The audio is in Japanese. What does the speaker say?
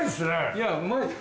いやうまい。